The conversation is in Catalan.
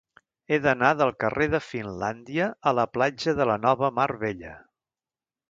He d'anar del carrer de Finlàndia a la platja de la Nova Mar Bella.